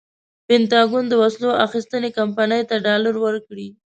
پنټاګون د وسلو اخیستنې کمپنۍ ته ډالر ورکړي.